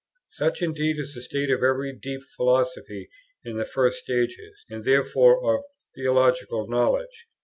Such indeed is the state of every deep philosophy in its first stages, and therefore of theological knowledge.